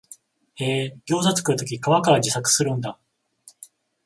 へえ、ギョウザ作るとき皮から自作するんだ